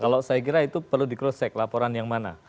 kalau saya kira itu perlu dikrosek laporan yang mana